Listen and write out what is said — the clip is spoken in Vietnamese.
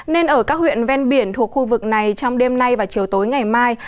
nên ở các huyện ven biển thuộc khu vực này trong đêm nay và chiều tối ngày mai